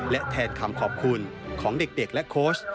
และแทนคำขอบคุณของเด็กและโค้ช